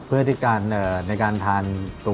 เพื่อที่ในการทานปรุง